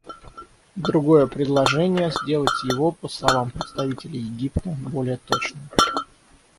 Другое предложение — сделать его, по словам представителя Египта, более точным.